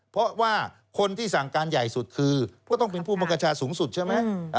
เพราะว่าคนที่สั่งการใหญ่สุดคือก็ต้องเป็นผู้มังคชาสูงสุดใช่ไหม